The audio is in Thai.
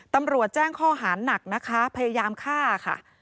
ตำรวจแจ้งข้อหาหนักนะคะพยายามฆ่าค่ะ